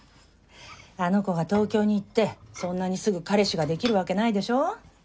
あの子が東京に行ってそんなにすぐ彼氏ができるわけないでしょ。